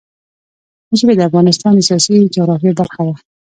ژبې د افغانستان د سیاسي جغرافیه برخه ده.